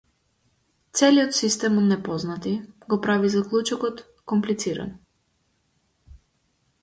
Целиот систем од непознати го прави заклучокот комплициран.